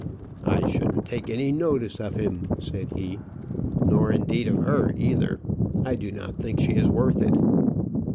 "I shouldn't take any notice of him," said he; "nor, indeed, of her either; I do not think she is worth it."